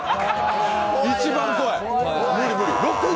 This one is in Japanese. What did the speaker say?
一番怖い！